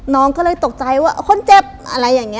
น้องก็เลยตกใจว่าคนเจ็บอะไรอย่างนี้